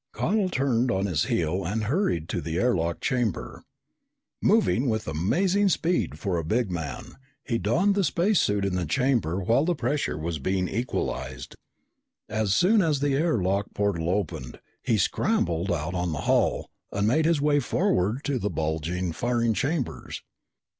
Connel turned on his heel and hurried to the air lock chamber. Moving with amazing speed for a big man, he donned the space suit in the chamber while the pressure was being equalized. As soon as the air lock portal opened, he scrambled out on the hull and made his way forward to the bulging firing chambers.